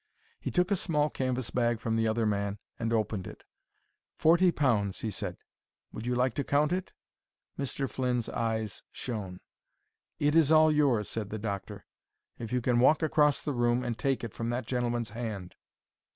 He took a small canvas bag from the other man and opened it. "Forty pounds," he said. "Would you like to count it?" Mr. Flynn's eyes shone. "It is all yours," said the doctor, "if you can walk across the room and take it from that gentleman's hand."